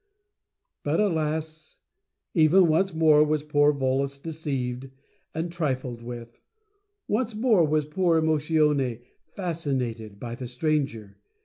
But, alas ! even once more was poor Volos deceived and trifled with — once more was poor Emotione Fas cinated by the Stranger.